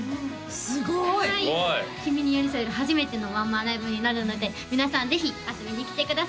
すごいすごいきみにＹＯＲＩＳＯＥＲＵ初めてのワンマンライブになるので皆さんぜひ遊びに来てください